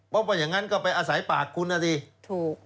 เพราะว่าอย่างนั้นก็ไปอาศัยปากคุณนะสิถูก